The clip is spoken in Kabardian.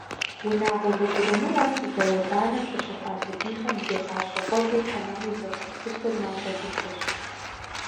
Унагъуэ зэгурымыӏуэм, зауэбанэм къыщыхъуа сабийхэм зи гъащӀэ гъуэгур тэмэму зыгъэпсыфыр мащӏэ дыдэщ.